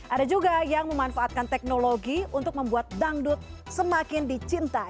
ada juga yang memanfaatkan teknologi untuk membuat dangdut semakin dicintai